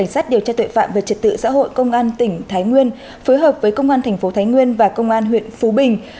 cảnh sát điều tra tội phạm về trật tự xã hội công an tỉnh thái nguyên phối hợp với công an thành phố thái nguyên và công an huyện phú bình